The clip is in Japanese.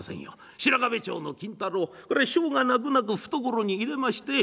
白壁町の金太郎これしょうがなくなく懐に入れましてさあ